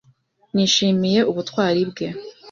Nishimiye ubutwari bwe.